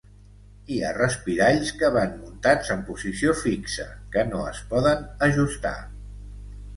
Hi ha respiralls que van muntats en posició fixa que no es poden ajustar.